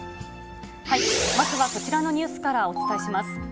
まずはこちらのニュースからお伝えします。